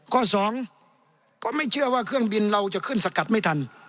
สองก็ไม่เชื่อว่าเครื่องบินเราจะขึ้นสกัดไม่ทัน